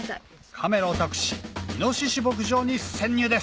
カメラを託し猪牧場に潜入です！